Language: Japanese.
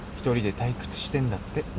１人で退屈してんだって。